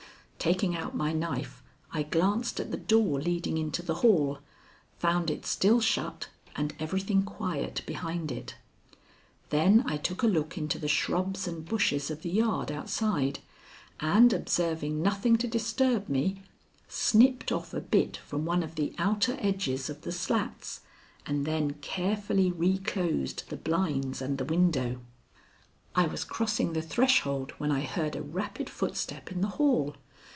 Taking out my knife, I glanced at the door leading into the hall, found it still shut and everything quiet behind it. Then I took a look into the shrubs and bushes of the yard outside, and, observing nothing to disturb me, snipped off a bit from one of the outer edges of the slats and then carefully reclosed the blinds and the window. I was crossing the threshold when I heard a rapid footstep in the hall.